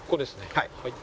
はい。